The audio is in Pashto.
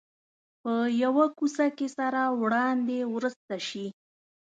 په یوه کوڅه کې سره وړاندې ورسته شي.